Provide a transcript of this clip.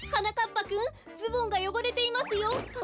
ぱくんズボンがよごれていますよ。